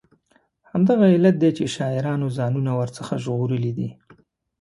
همدغه علت دی چې شاعرانو ځانونه ور څخه ژغورلي دي.